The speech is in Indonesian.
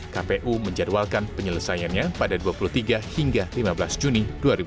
kpu menjadwalkan penyelesaiannya pada dua puluh tiga hingga lima belas juni dua ribu dua puluh